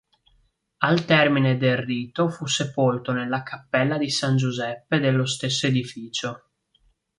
Al termine del rito fu sepolto nella cappella di San Giuseppe dello stesso edificio.